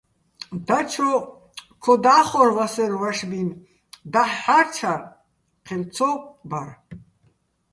დაჩო ქო და́ხორ ვასერვ ვაშბინ, დაჰ̦ ჰ̦არჩარ ჴელ ცო ბარ.